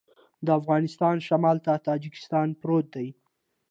د افغانستان شمال ته تاجکستان پروت دی